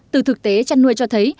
từ thực tế chăn nuôi cho thấy